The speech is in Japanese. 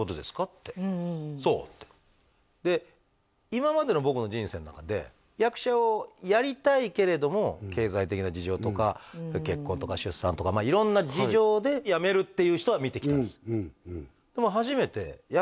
って「そう」ってで今までの僕の人生の中で経済的な事情とか結婚とか出産とかまあ色んな事情でやめるっていう人は見てきたんです